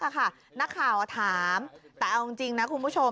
นักข่าวถามแต่เอาจริงนะคุณผู้ชม